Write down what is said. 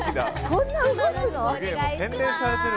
こんな動くの！？